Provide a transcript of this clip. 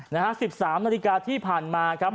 นะฮะ๑๓นาฬิกาที่ผ่านมาครับ